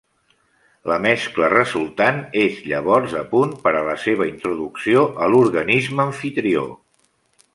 La mescla resultant és llavors a punt per a la seva introducció a l'organisme amfitrió.